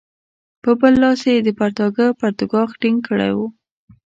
په بل لاس یې د پرتاګه پرتوګاښ ټینګ کړی وو.